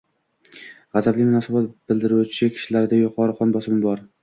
G’azabli munosabat bildiruvchi kishilarda yuqori qon bosimi bor.